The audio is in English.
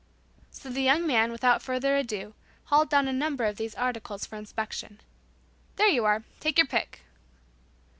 So the young man, without further ado, hauled down a number of those articles for inspection. "There you are. Take your pick."